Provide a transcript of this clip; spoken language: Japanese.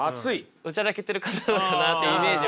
おちゃらけてる方なのかなってイメージは。